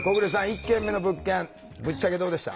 １軒目の物件ぶっちゃけどうでした？